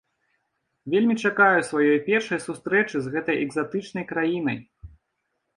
Вельмі чакаю сваёй першай сустрэчы з гэтай экзатычнай краінай.